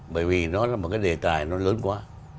bởi vì nó là một cái đề tài nó lớn quá